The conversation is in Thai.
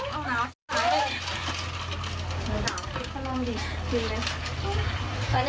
แดกไปนั่งน้ำดิคิดไหม